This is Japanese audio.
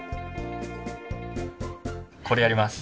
これやります。